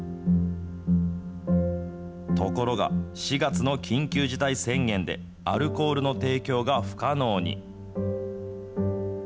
ところが、４月の緊急事態宣言で、アルコールの提供が不可能に。